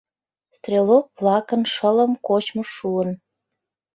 Стрелок-влакын шылым кочмышт шуын.